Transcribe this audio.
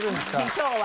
今日は。